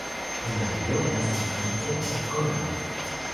ona li jo e nasin ante e kon ante.